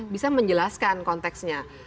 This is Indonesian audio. bisa menjelaskan konteksnya